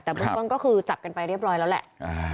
แต่เบื้องต้นก็คือจับกันไปเรียบร้อยแล้วแหละ